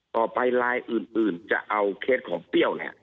ต่อไปลายอื่นจะเอาเคสของเปรี้ยวเนี่ย